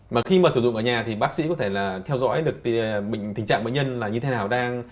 mà khi mà sử dụng ở nhà thì bác sĩ có thể là theo dõi được tình trạng bệnh nhân là như thế nào đang